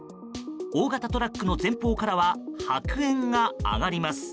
大型トラックの前方からは白煙が上がります。